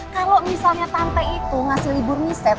kalau misalnya tante itu ngasih libur miset